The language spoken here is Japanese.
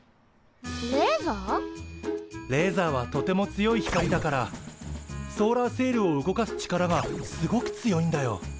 レーザーはとても強い光だからソーラーセイルを動かす力がすごく強いんだよ。